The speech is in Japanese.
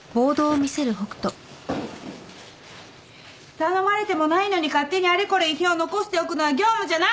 頼まれてもないのに勝手にあれこれ遺品を残しておくのは業務じゃない！